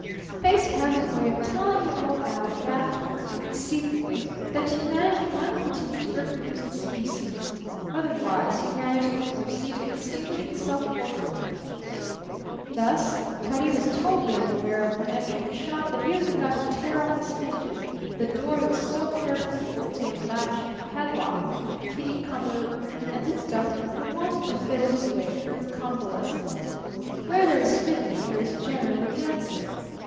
Fate has a way of telling you all about it afterward; conceivably, that humanity might continue to reproduce its species. Otherwise humanity would proceed to extinguish itself forthwith. Thus, Cutty was totally unaware upon entering the shop that he was about to tear off its hinges the door he was so carefully bolting and latching and padlocking between Kitty Conover and this duffer who wanted to fiddle his way through convalescence. Where there is fiddling there is generally dancing.